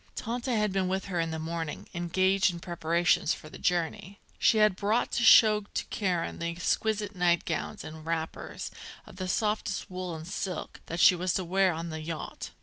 Tante had been with her in the morning, engaged in preparations for the journey. She had brought to show to Karen the exquisite nightgowns and wrappers, of softest wool and silk, that she was to wear on the yacht.